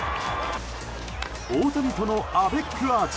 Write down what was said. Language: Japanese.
大谷とのアベックアーチ